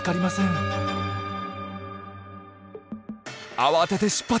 慌てて出発。